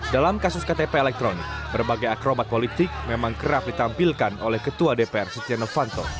dalam kasus ktp elektronik berbagai akrobat politik memang kerap ditampilkan oleh ketua dpr setia novanto